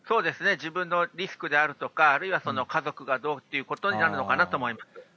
自分のリスクであるとか、あるいは家族がどうということになるのかなと思います。